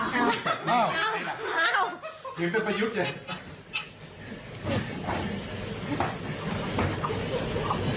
เหมือนเป็นประยุทธ์เนี่ย